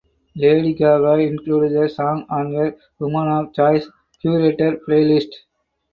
Lady Gaga included the song on her "Women of Choice" curated playlist.